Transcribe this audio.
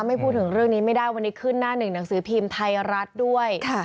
ไม่พูดถึงเรื่องนี้ไม่ได้วันนี้ขึ้นหน้าหนึ่งหนังสือพิมพ์ไทยรัฐด้วย